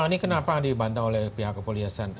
ini kenapa dibantah oleh pihak kepolisian